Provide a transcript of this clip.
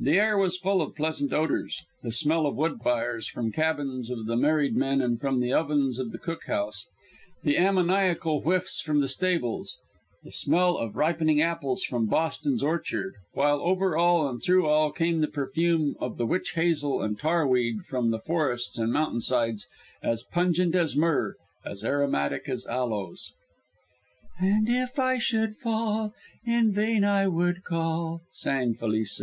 The air was full of pleasant odours the smell of wood fires from the cabins of the married men and from the ovens of the cookhouse, the ammoniacal whiffs from the stables, the smell of ripening apples from "Boston's" orchard while over all and through all came the perfume of the witch hazel and tar weed from the forests and mountain sides, as pungent as myrrh, as aromatic as aloes. "And if I should fall, In vain I would call," sang Felice.